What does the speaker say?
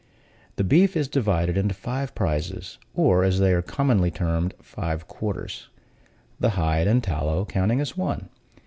The beef is divided into five prizes, or, as they are commonly termed, five quarters the hide and tallow counting as one.